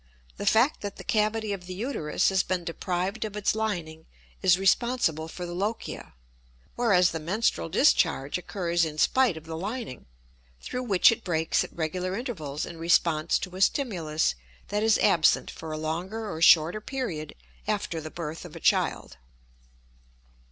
The fact that the cavity of the uterus has been deprived of its lining is responsible for the lochia, whereas the menstrual discharge occurs in spite of the lining, through which it breaks at regular intervals in response to a stimulus that is absent for a longer or shorter period after the birth of a child.